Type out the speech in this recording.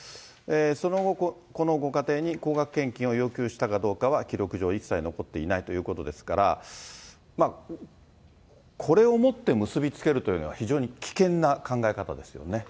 その後、このご家庭に高額献金を要求したかどうかは記録上一切残っていないということですから、これを持って結びつけるというのは非常に危険な考え方ですよね。